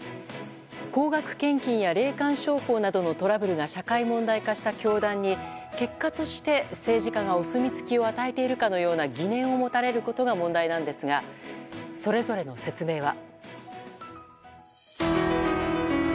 高額献金や霊感商法などのトラブルが社会問題化した教団に結果として政治家がお墨付きを与えているかのような疑念を持たれることが問題なんですがそれぞれの説明は。